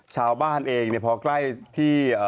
ชาวบ้านเองพอใกล้ที่